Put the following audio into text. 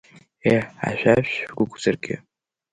Еҳ, ашәаԥшь шәгәықәҵыргьы!